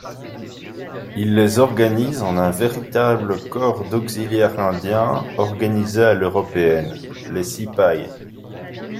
Il les organise en un véritable corps d’auxiliaires indiens organisé à l’Européenne, les Cipayes.